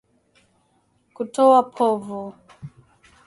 Kutoa povu